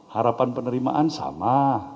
harapan penerimaan sama